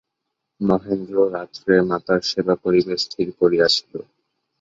মহেন্দ্র রাত্রে মাতার সেবা করিবে স্থির করিয়াছিল।